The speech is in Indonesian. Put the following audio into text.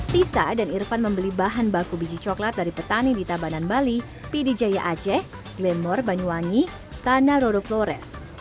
tisa dan irfan membeli bahan baku biji coklat dari petani di tabanan bali pd jaya aceh glenmore banyuwangi tanah roro flores